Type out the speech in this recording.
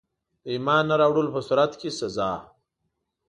د ایمان نه راوړلو په صورت کي سزا.